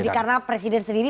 jadi karena presiden sendiri